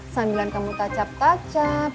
sambilan kamu tacap tacap